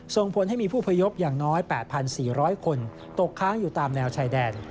ส่งผลให้มีผู้พยพอย่างน้อย๘๔๐๐คนตกค้างอยู่ตามแนวชายแดน